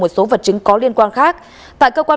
một số vật chứng có liên quan khác tại cơ quan